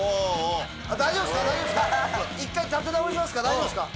大丈夫ですか？